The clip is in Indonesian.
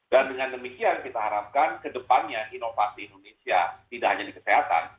dan dengan demikian kita harapkan kedepannya inovasi indonesia tidak hanya di kesehatan